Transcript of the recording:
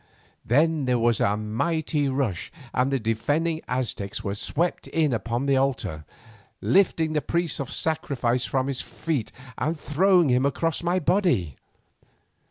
Then there was a mighty rush and the defending Aztecs were swept in upon the altar, lifting the priest of sacrifice from his feet and throwing him across my body.